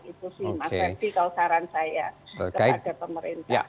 itu sih mas ferdi kalau saran saya kepada pemerintah